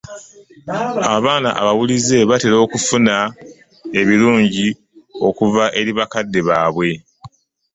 Abaana abawulize batera okufuna ebirungi okuva ewa bakadde baabwe.